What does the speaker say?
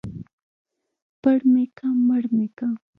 پړ مى که مړ مى که.